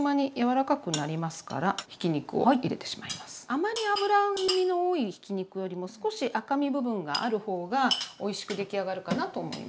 あまり脂身の多いひき肉よりも少し赤身部分がある方がおいしく出来上がるかなと思います。